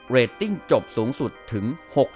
เรตติ้งจบสูงสุดถึง๖๐